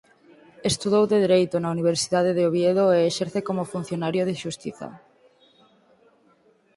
Estudou Dereito na Universidade de Oviedo e exerce como funcionario de xustiza.